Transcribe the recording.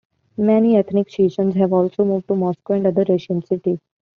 Many ethnic Chechens have also moved to Moscow and other Russian cities.